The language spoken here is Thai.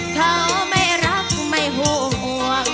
เธอไม่รักไม่ห่วง